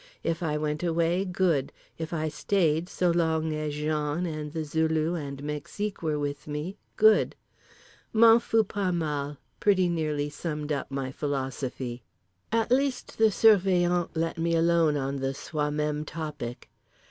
If I went away, good; if I stayed, so long as Jean and The Zulu and Mexique were with me, good. "M'en fous pas mal," pretty nearly summed up my philosophy. At least the Surveillant let me alone on the Soi Même topic.